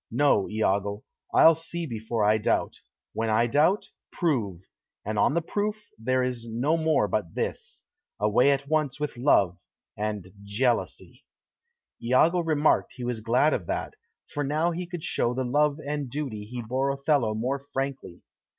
No, Iago; I'll see before I doubt; when I doubt, prove; and on the proof there is no more but this away at once with love, and jealousy." Iago remarked he was glad of that, for now he could show the love and duty he bore Othello more frankly.